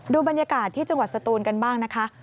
ดูบรรยากาศที่จังหวัดสตูนกันบ้างนะคะ